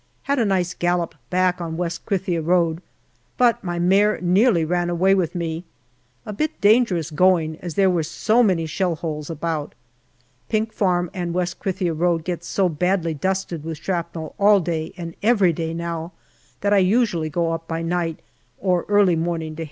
Had a nice gallop back on West Krithia road, but my mare nearly ran away with me ; a bit dangerous going, as there were so many shell holes about. Pink Farm and West Krithia road get so badly dusted with shrapnel all day and every day now, that I usually go up by night or early morning to H.